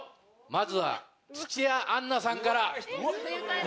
まずは土屋アンナさんから。